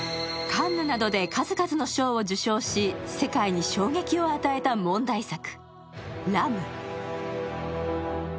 カンヌなどで数々の賞を受賞し世界に衝撃を与えた問題作「ＬＡＭＢラム」。